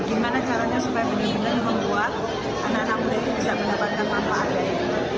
gimana caranya supaya pendidikan membuat anak anak muda itu bisa mendapatkan manfaat lain